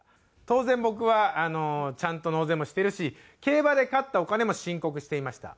当然僕はちゃんと納税もしてるし競馬で勝ったお金も申告していました。